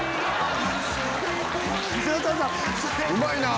うまいな！